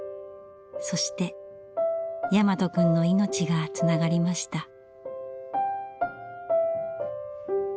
そして大和くんの命がつながりました。